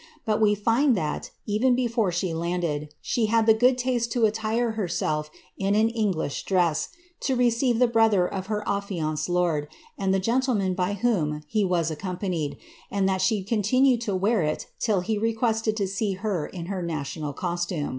But we find that, even beto she landed, she had the good taste to attire herself in an Ehglish dreSy to receive the brother of her afiianced lord, and the gentlemen by whoa he was accompanied, and that she continued to wear it till he iimattUti to see her in her national costume.